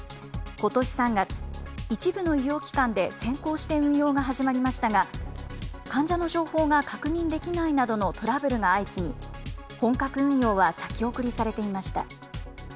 ことし３月、一部の医療機関で先行して運用が始まりましたが、患者の情報が確認できないなどのトラブルが相次ぎ、本格運用は先送りされていました。